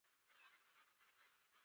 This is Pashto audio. د سولې او امنیت خوب دې پر واقعیت بدل کړي.